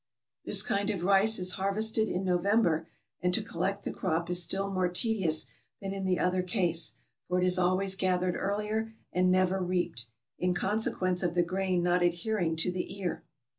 This kind of rice is harvested in November, and to collect the crop is still more tedious than in the other case, for it is always gathered earlier and never reaped, in consequence of the grain not adhering to the ear.